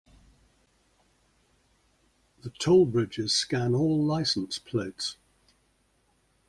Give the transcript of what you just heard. The toll bridges scan all license plates.